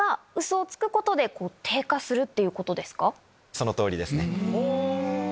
その通りですね。